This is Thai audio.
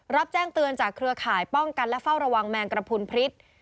รับแจ้งเตือนจากเครือข่ายป้องกันและเฝ้าระวังแมงกระพุนพริก